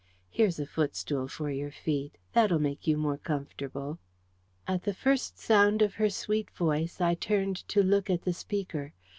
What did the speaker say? Here's a footstool for your feet; that'll make you more comfortable." At the first sound of her sweet voice, I turned to look at the speaker.